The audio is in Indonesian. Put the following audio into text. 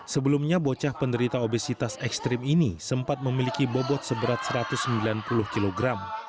sebelumnya bocah penderita obesitas ekstrim ini sempat memiliki bobot seberat satu ratus sembilan puluh kg